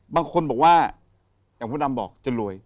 บางคนบอกว่าอย่างมดดำบอกจะรวย